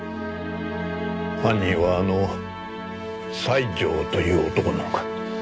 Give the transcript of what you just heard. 犯人はあの西條という男なのか？